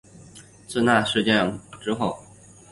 自从那事件后